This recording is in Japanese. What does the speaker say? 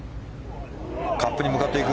カップに向かっていく。